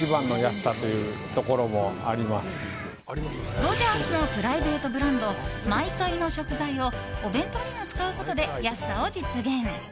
ロヂャースのプライベートブランドｍｙｋａｉの食材をお弁当にも使うことで安さを実現。